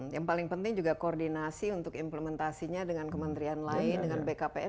yang paling penting juga koordinasi untuk implementasinya dengan kementerian lain dengan bkpn